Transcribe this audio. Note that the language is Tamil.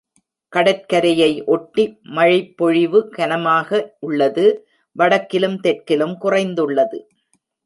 கடற்கரையை ஒட்டி மழைப்பொழிவு கனமாக உள்ளது, வடக்கிலும் தெற்கிலும் குறைந்துள்ளது.